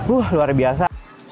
wah luar biasa